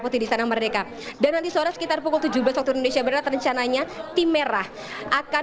putih di sana merdeka dan nanti suara sekitar pukul tujuh belas waktu indonesia barat rencananya tim merah akan